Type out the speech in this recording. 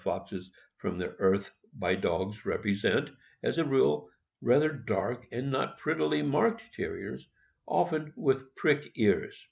foxes from their earth by dogs represent, as a rule, rather dark and not prettily marked Terriers, often with prick ears.